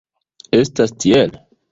Estas tiel?